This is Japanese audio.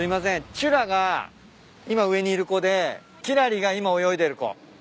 ちゅらが今上にいる子できらりが今泳いでる子。